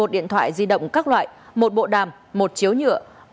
một mươi một điện thoại di động các loại một bộ đàm một chiếu nhựa